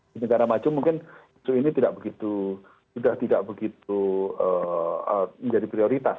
di negara maju mungkin itu ini tidak begitu sudah tidak begitu menjadi prioritas